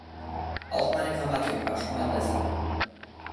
Auch meine Grammatik war schon mal besser.